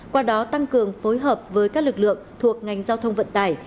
qua đó tăng cường phối hợp với các lực lượng thuộc ngành giao thông vận tải